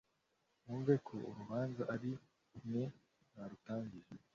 wumve kuko urubanza ari mwe mwarutangije